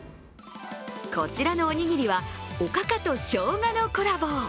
こちらのおにぎりはおかかとしょうがのコラボ。